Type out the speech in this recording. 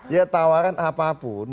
ya tawaran apapun